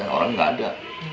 dan orang tidak ada